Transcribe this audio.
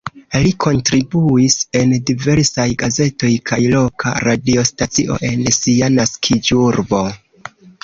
Li kontribuis en diversaj gazetoj kaj loka radiostacio en sia naskiĝurbo.